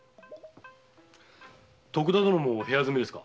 徳田殿も部屋住みですか？